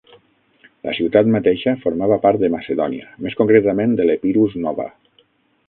La ciutat mateixa formava part de Macedònia, més concretament de l'Epirus Nova.